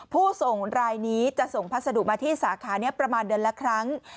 ผู้ส่งรายนี้จะส่งพัสดุมาที่สาขานี้ประมาณเดือนละครั้ง